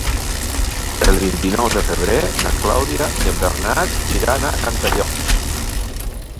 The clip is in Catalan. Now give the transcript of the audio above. El vint-i-nou de febrer na Clàudia i en Bernat iran a Cantallops.